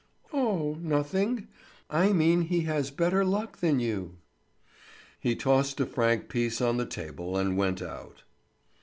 "O—h, nothing. I mean he has better luck than you." He tossed a franc piece on the table and went out.